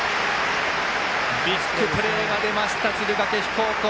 ビッグプレーが出た敦賀気比高校。